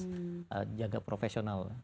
jadi harus jaga profesional